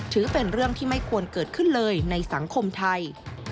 ถือเป็นเรื่องที่ไม่ควรเกิดขึ้นเลยในสังคมไทย